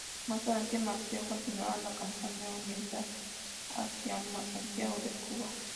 Más adelante, Maceo continúa la Campaña Oriental hacia Santiago de Cuba.